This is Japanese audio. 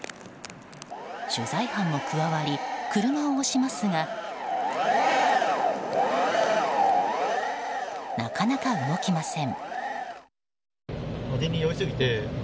取材班も加わり、車を押しますがなかなか動きません。